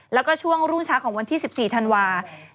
แล้วก็ช่วงรุ่งเช้าของวันที่๑๔ธันวาคม